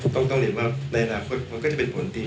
ต้องเรียนว่าในอนาคตมันก็จะเป็นผลดี